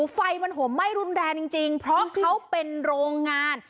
ไฟมันห่มไหม้รุนแรงจริงเพราะเขาเป็นโรงงาน